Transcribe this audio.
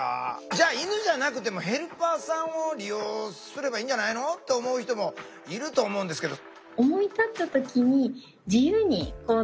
じゃあ犬じゃなくてもヘルパーさんを利用すればいいんじゃないの？と思う人もいると思うんですけど。